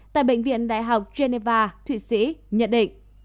tại bệnh viện đại học geneva thụy sĩ nhận định